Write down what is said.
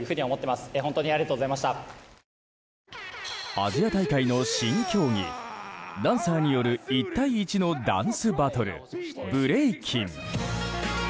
アジア大会の新競技ダンサーによる１対１のダンスバトルブレイキン。